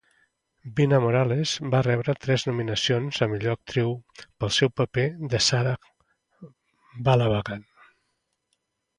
Vina Morales va rebre tres nominacions a millor actriu pel seu paper de Sarah Balabagan.